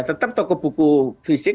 tetap toko buku fisik